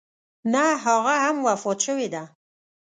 نه هغه هم وفات شوې ده.